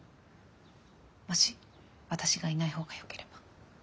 もし私がいないほうがよければ。